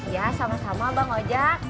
ya sama sama bang ojek